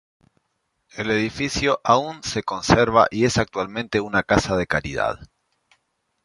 El edificio aún se conserva y es actualmente una casa de caridad.